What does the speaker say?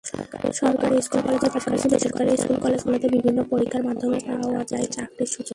সরকারি স্কুল-কলেজের পাশাপাশি বেসরকারি স্কুল-কলেজগুলোতেও বিভিন্ন পরীক্ষার মাধ্যমে পাওয়া যায় চাকরির সুযোগ।